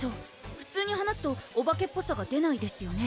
普通に話すとお化けっぽさが出ないですよね